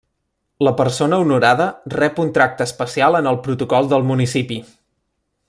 La persona honorada rep un tracte especial en el protocol del municipi.